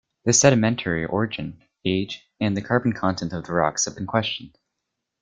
The sedimentary origin, age and the carbon content of the rocks have been questioned.